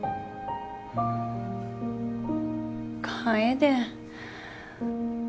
楓。